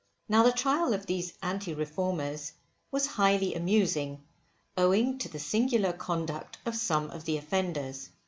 Now the trial of these Anti Reformers was highly amusing, owing to the singular conduct of some of the offenders.